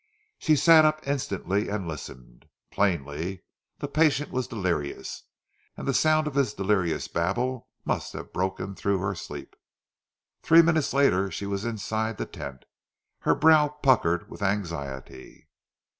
She sat up instantly, and listened. Plainly, the patient was delirious, and the sound of his delirious babble must have broken through her sleep. Three minutes later she was inside the tent, her brow puckered with anxiety.